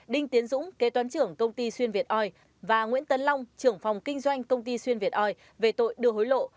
đinh tiến dũng kế toán trưởng công ty xuyên việt oi và nguyễn tấn long trưởng phòng kinh doanh công ty xuyên việt oi về tội đưa hối lộ